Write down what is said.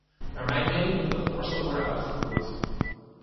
Naar mijn mening moet dat voorstel worden uitgevoerd.